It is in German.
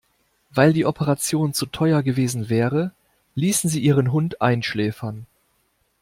Weil die Operation zu teuer gewesen wäre, ließen sie ihren Hund einschläfern.